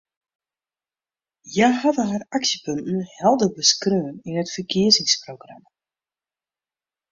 Hja hawwe har aksjepunten helder beskreaun yn it ferkiezingsprogramma.